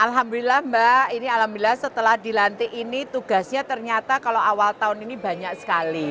alhamdulillah mbak ini alhamdulillah setelah dilantik ini tugasnya ternyata kalau awal tahun ini banyak sekali